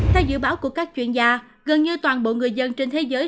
theo dự báo của các chuyên gia gần như toàn bộ người dân trên thế giới